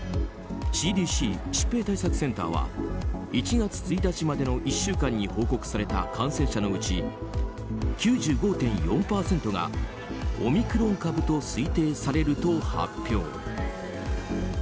ＣＤＣ・疾病対策センターは１月１日までの１週間に報告された感染者のうち９５．４％がオミクロン株と推定されると発表。